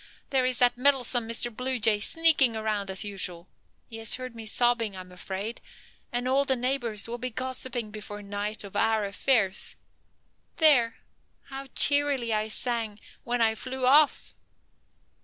there is that meddlesome Mr. Blue Jay sneaking around as usual. He has heard me sobbing, I'm afraid, and all the neighbors will be gossiping before night of our affairs. There! how cheerily I sang when I flew off!